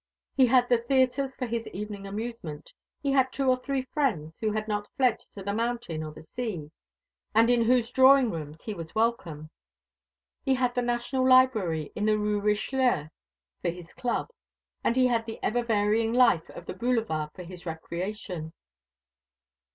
He had the theatres for his evening amusement; he had two or three friends who had not fled to the mountain or the sea, and in whose drawing rooms he was welcome. He had the National Library in the Rue Richelieu for his club; and he had the ever varying life of the Boulevard for his recreation.